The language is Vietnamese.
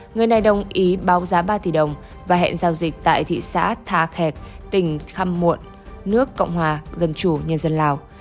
người này đồng ý báo giá ba tỷ đồng và hẹn giao dịch tại thị xã thà khẹt tỉnh khăm muộn nước cộng hòa dân chủ nhân dân lào